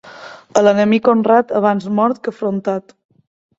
A l'enemic honrat, abans mort que afrontat.